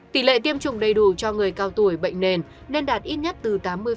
tỷ lệ tiêm chủng đầy đủ cho người cao tuổi bệnh nền nên đạt ít nhất từ tám mươi